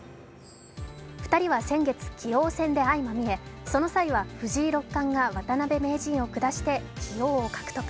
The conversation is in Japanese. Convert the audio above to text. ２人は先月、棋王戦で相まみえ、その際は藤井六冠が渡辺名人を下して棋王を獲得。